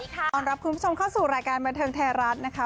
ถอดรับคุณผู้ชมเข้าสู่รายการเมืองเทอมเทรรัสนะคะ